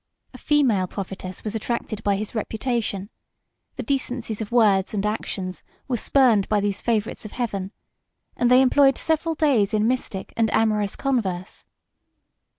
A female prophetess 1111 was attracted by his reputation; the decencies of words and actions were spurned by these favorites of Heaven; 2 and they employed several days in mystic and amorous converse.